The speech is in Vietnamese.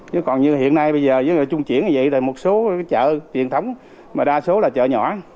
chứ còn như hiện nay bây giờ chung chuyển như vậy một số chợ truyền thống mà đa số là chợ nhỏ